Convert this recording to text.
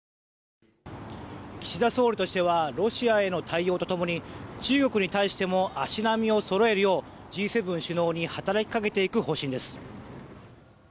岸田総理としてはロシアへの対応とともに中国に対しても足並みをそろえるようＧ７首脳に働きかけていく方針です。